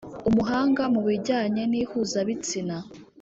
umuhanga mu bijyanye n’ihuzabitsina